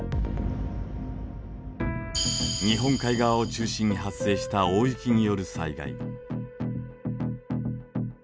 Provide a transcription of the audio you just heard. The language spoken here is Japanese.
日本海側を中心に発生した大雪による災害。